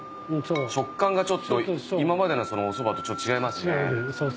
食感がちょっと今までのおそばと違いますね。